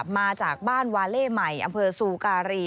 มาจากบ้านวาเล่ใหม่อำเภอซูการี